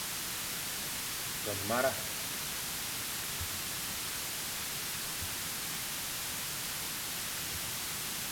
Ke mara,